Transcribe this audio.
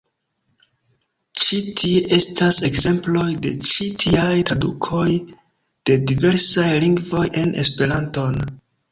Ĉi tie estas ekzemploj de ĉi tiaj tradukoj de diversaj lingvoj en Esperanton.